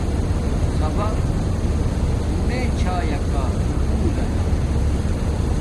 سبق بونے چھایا کا سکُول لنا